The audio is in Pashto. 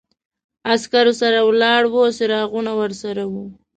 عسکرو سره ولاړ و، څراغونه ورسره و.